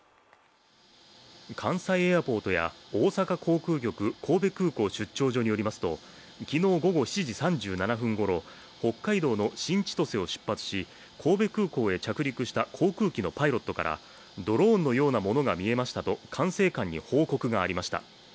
関西エアポートや大阪航空局神戸空港出張所によりますと、昨日午後７時３７分ごろ北海道の新千歳を出発し神戸空港へ着陸した航空機のパイロットからドローンのようなものが見えましたと管制官に報告がありました。